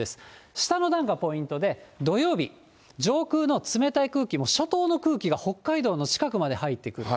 下の段がポイントで、土曜日、上空の冷たい空気も、初冬の空気が北海道の近くまで入ってくる。